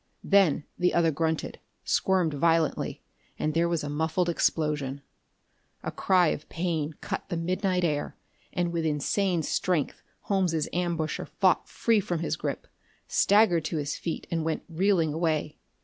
Then the other grunted; squirmed violently and there was a muffled explosion. A cry of pain cut the midnight air, and with insane strength Holmes' ambusher fought free from his grip, staggered to his feet and went reeling away.